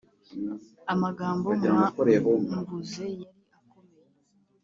Amagambo mwamvuze yari akomeye